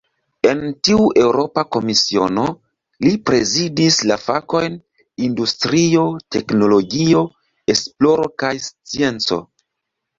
En tiu Eŭropa Komisiono, li prezidis la fakojn "industrio, teknologio, esploro kaj scienco".